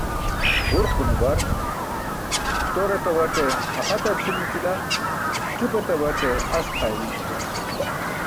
Ġurqune bar "ṭor etabaṭe axtar cʰil nićila, ćup etabaṭe as pʰaaybi nuse.